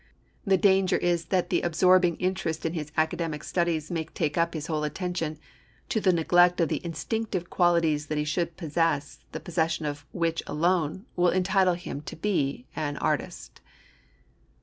The danger is that the absorbing interest in his academic studies may take up his whole attention, to the neglect of the instinctive qualities that he should possess the possession of which alone will entitle him to be an artist.